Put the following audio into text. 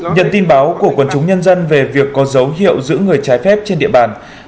nhận tin báo của quân chúng nhân dân về việc có dấu hiệu giữ người trái phép trên địa bàn